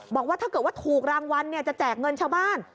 บอกว่าถ้าเกิดว่าถูกรางวัลจะแจกเงินชาวบ้าน